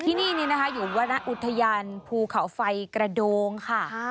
ที่นี่นะคะอยู่วรรณอุทยานภูเขาไฟกระโดงค่ะ